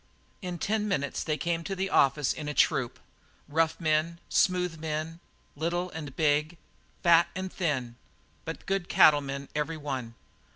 In ten minutes they came to the office in a troop rough men, smooth men, little and big, fat and thin, but good cattlemen, every one.